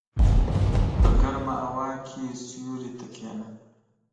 په ګرمه هوا کې سیوري ته کېنه.